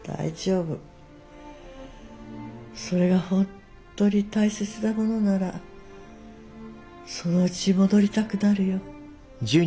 それが本当に大切なものならそのうち戻りたくなるよ。